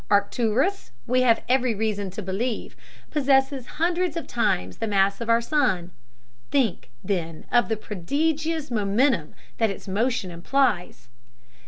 Arcturus, we have every reason to believe, possesses hundreds of times the mass of our sun—think, then, of the prodigious momentum that its motion implies!